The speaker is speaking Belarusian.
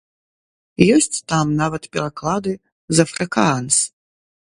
Ёсць там нават пераклады з афрыкаанс.